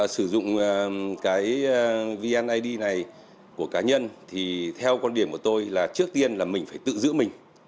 sử dụng cái vneid này của cá nhân thì theo quan điểm của tôi là trước tiên là mình phải tự giữ mình